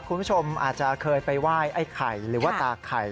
คุณผู้ชมอาจจะเคยไปไหว้ไอ้ไข่หรือว่าตาไข่